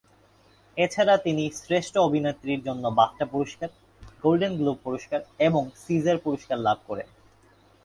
এছাড়া তিনি শ্রেষ্ঠ অভিনেত্রীর জন্য বাফটা পুরস্কার, গোল্ডেন গ্লোব পুরস্কার, এবং সিজার পুরস্কার লাভ করেন।